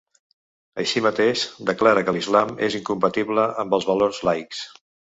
Així mateix, declara que l’islam és incompatible amb els valors laics.